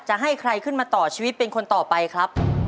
จะให้ใครขึ้นมาต่อชีวิตเป็นคนต่อไปครับ